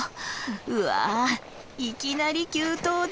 うわいきなり急登だ。